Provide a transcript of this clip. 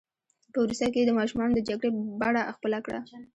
په وروستیو کې یې د ماشومانو د جګړې بڼه خپله کړه.